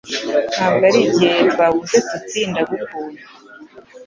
Ntabwo ari igihe twavuze tuti Ndagukunda